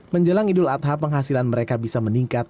menjelang idul adha penghasilan mereka bisa meningkat